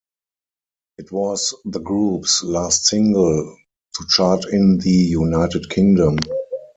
It was the group's last single to chart in the United Kingdom.